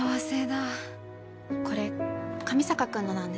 これ上坂君のなんです。